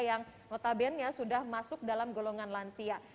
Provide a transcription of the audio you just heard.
yang notabene sudah masuk dalam golongan lansia